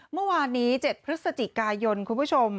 เมื่อวานนี้๗พฤศจิกายนคุณผู้ชม